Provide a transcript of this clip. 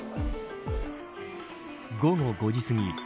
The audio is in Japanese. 午後５時すぎ